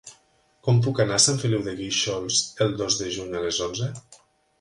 Com puc anar a Sant Feliu de Guíxols el dos de juny a les onze?